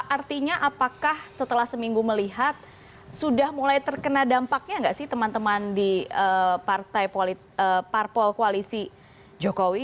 artinya apakah setelah seminggu melihat sudah mulai terkena dampaknya nggak sih teman teman di parpol koalisi jokowi